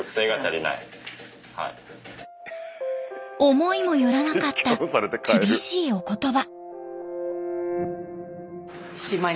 思いもよらなかった厳しいお言葉。